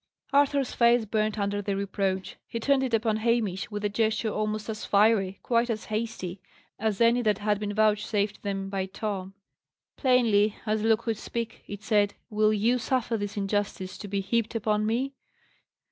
Arthur's face burnt under the reproach. He turned it upon Hamish, with a gesture almost as fiery, quite as hasty, as any that had been vouchsafed them by Tom. Plainly as look could speak, it said, "Will you suffer this injustice to be heaped upon me?"